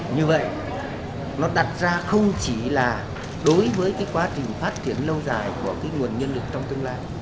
như vậy nó đặt ra không chỉ là đối với quá trình phát triển lâu dài của nguồn nhân lực trong tương lai